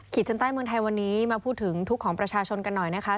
ชั้นใต้เมืองไทยวันนี้มาพูดถึงทุกข์ของประชาชนกันหน่อยนะคะ